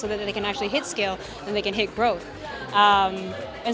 supaya mereka bisa mencapai skala dan mereka bisa mencapai kembang